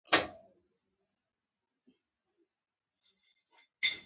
بد بوی لرونکي خوله د غاښونو خرابوالي نښه ده.